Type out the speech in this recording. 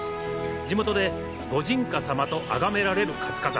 地元で御神火様とあがめられる活火山。